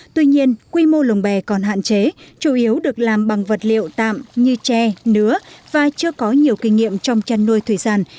tuy nhiên quy mô lồng bè còn hạn chế chủ yếu được làm bằng vật liệu tạm như tre nứa và chưa có nhiều kinh nghiệm trong chăn nuôi thủy sản